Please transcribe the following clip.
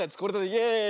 イエーイ！